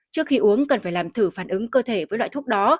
trước khi uống cần phải làm thử phản ứng cơ thể với loại thuốc đó